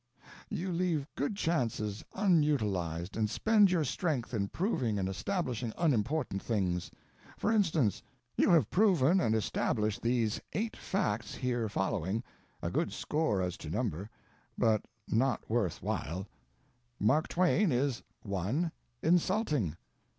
You leave good chances unutilized and spend your strength in proving and establishing unimportant things. For instance, you have proven and established these eight facts here following a good score as to number, but not worth while: Mark Twain is 1. "Insulting."